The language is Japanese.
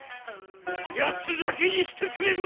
八つ裂きにしてくれる。